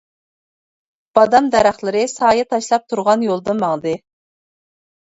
بادام دەرەخلىرى سايە تاشلاپ تۇرغان يولدىن ماڭدى.